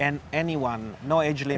siapa saja tidak ada jangka umum